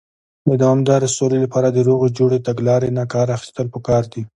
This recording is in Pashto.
د دوامدارې سولې لپاره، د روغې جوړې تګلارې نۀ کار اخيستل پکار دی.